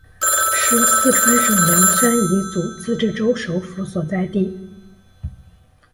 是四川省凉山彝族自治州首府所在地。